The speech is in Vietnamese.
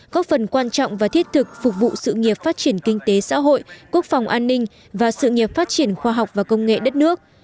góp phần quan trọng và thiết thực phục vụ sự nghiệp phát triển kinh tế xã hội quốc phòng an ninh và sự nghiệp phát triển khoa học và công nghệ đất nước